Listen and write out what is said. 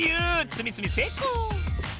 つみつみせいこう！